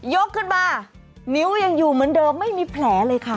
ยกขึ้นมานิ้วยังอยู่เหมือนเดิมไม่มีแผลเลยค่ะ